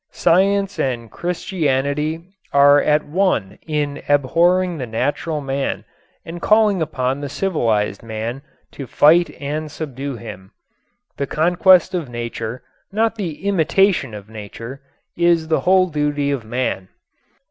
Science and Christianity are at one in abhorring the natural man and calling upon the civilized man to fight and subdue him. The conquest of nature, not the imitation of nature, is the whole duty of man.